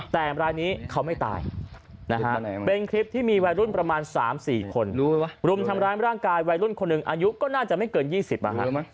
แต่รายนี้เขาไม่ตายนะฮะเป็นคลิปที่มีวัยรุ่นประมาณ๓๔คนรุมทำร้ายร่างกายวัยรุ่นคนหนึ่งอายุก็น่าจะไม่เกิน๒๐นะฮะ